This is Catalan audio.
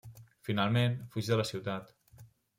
Finalment, fuig de la ciutat.